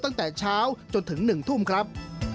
ตั้งแต่เช้าจนถึง๑ทุ่มครับ